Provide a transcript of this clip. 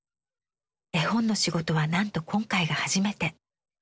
絵本の仕事はなんと今回が初めて。